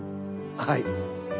はい。